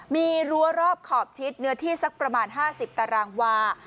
มีรั้วรอบขอบชิดเนื้อที่สักประมาณ๕๐ตารางวา